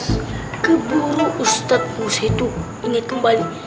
ini buru ustadz musa itu ingin kembali